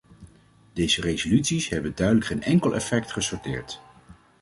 Deze resoluties hebben duidelijk geen enkel effect gesorteerd.